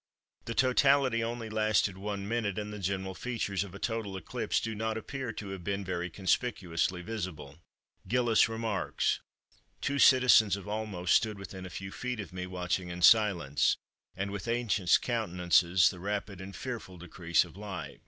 The totality only lasted one minute, and the general features of a total eclipse do not appear to have been very conspicuously visible. Gilliss remarks:—"Two citizens of Olmos stood within a few feet of me, watching in silence, and with anxious countenances, the rapid and fearful decrease of light.